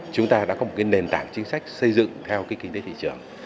chúng ta đã có một nền tảng chính sách xây dựng theo kinh tế thị trường